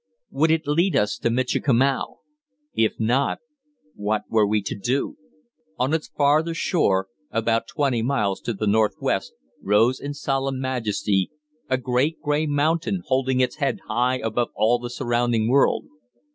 Would it lead us to Michikamau? If not, what were we to do? On its farther shore, about twenty miles to the northwest, rose in solemn majesty a great, grey mountain, holding its head high above all the surrounding world.